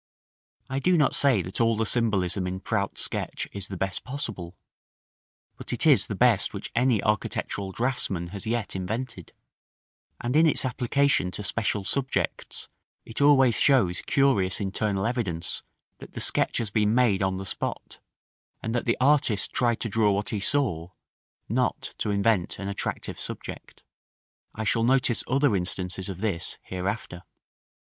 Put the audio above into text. I do not say that all the symbolism in Prout's Sketch is the best possible; but it is the best which any architectural draughtsman has yet invented; and in its application to special subjects it always shows curious internal evidence that the sketch has been made on the spot, and that the artist tried to draw what he saw, not to invent an attractive subject. I shall notice other instances of this hereafter.